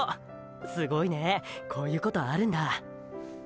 すごいねーこういうことあるんだ。